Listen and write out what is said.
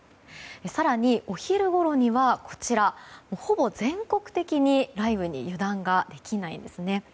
更に、お昼ごろにはほぼ全国的に雷雨に油断ができないですね。